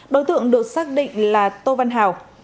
đối tượng được xác định là tô văn hào